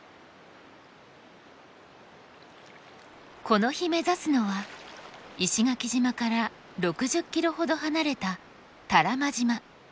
この日目指すのは石垣島から６０ｋｍほど離れた多良間島。